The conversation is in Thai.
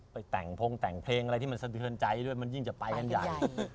ไปแต่งพงแต่งเพลงอะไรที่มันสะเทือนใจด้วยมันยิ่งจะไปกันใหญ่